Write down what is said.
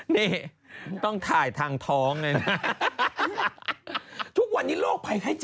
ก็ต้องระวังให้ดี